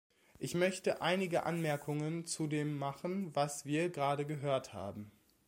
Ich möchte einige Anmerkungen zu dem machen, was wir gerade gehört haben.